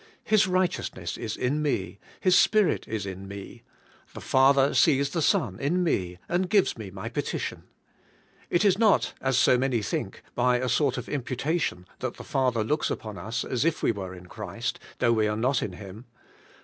His righteousness is in me. His Spirit is in me; the Father sees the Son in me, and gives me my petition. It is not — as so many think — by a sort of imputation that the Father looks upon us as if we were in Christ, though we are not in Him.